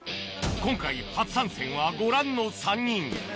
今回初参戦はご覧の３人